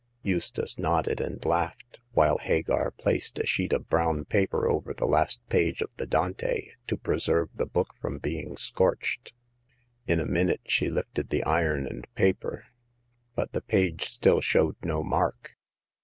Eustace nodded and laughed, while Hagar placed a sheet of brown paper over the last page of the Dante to preserve the book from being scorched. In a minute she lifted the iron and paper, but the page still showed no mark.